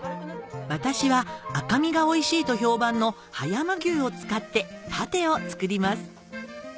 私は赤身がおいしいと評判の葉山牛を使ってパテを作ります